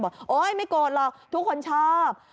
โอ๊ยไม่โกรธหรอกทุกคนชอบ